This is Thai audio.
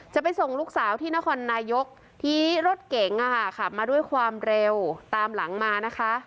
จะไปส่งลูกสาวที่นครนายกทีรถเก๋งขับมาด้วยความเร็วตามหลังมานะคะ